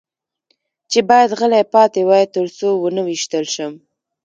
چې باید غلی پاتې وای، تر څو و نه وېشتل شم.